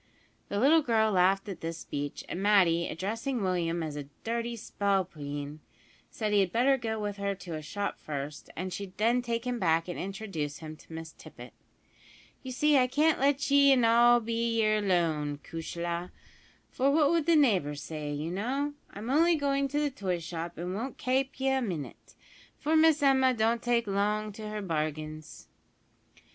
The little girl laughed at this speech, and Matty, addressing Willie as a "dirty spalpeen," said he had better go with her to a shop first, and she'd then take him back and introduce him to Miss Tippet. "You see I can't let ye in all be yer lone, cushla; for what would the neighbours say, you know! I'm only goin' to the toy shop, an' won't kape ye a minit, for Miss Emma don't take long to her bargains."